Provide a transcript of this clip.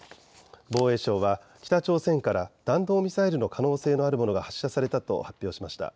防衛省は北朝鮮から弾道ミサイルの可能性のあるものが発射されたと発表しました。